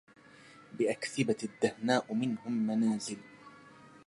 بأكثبة الدهناء منهم منازل